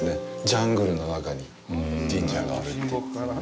ジャングルの中に神社があるという。